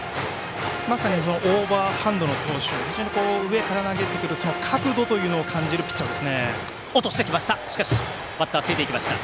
まさにオーバーハンドの投手非常に上から投げてくる角度を感じるピッチャーです。